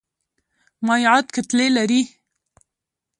مایعات کتلې لري.